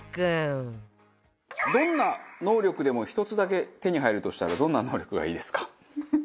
どんな能力でも１つだけ手に入るとしたらどんな能力がいいですか？